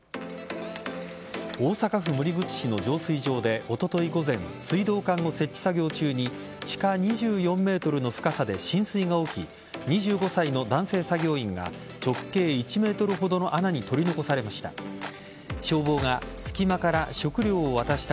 大阪府守口市の浄水場でおととい午前水道管を設置作業中に地下２４ｍの深さで浸水が起き２５歳の男性作業員が直径１ｍほどの穴に取り残されました。